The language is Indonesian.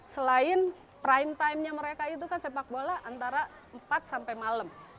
selain prime time nya mereka itu kan sepak bola antara empat sampai malam